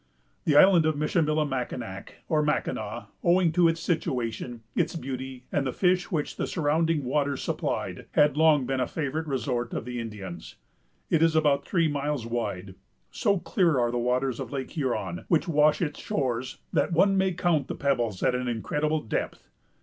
The Island of Michillimackinac, or Mackinaw, owing to its situation, its beauty, and the fish which the surrounding water supplied, had long been a favorite resort of Indians. It is about three miles wide. So clear are the waters of Lake Huron, which wash its shores, that one may count the pebbles at an incredible depth.